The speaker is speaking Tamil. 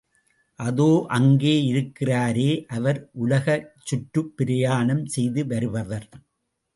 அதோ அங்கே இருக்கிறாரே, அவர் உலகச்சுற்றுப் பிரயாணம் செய்து வருபவர்.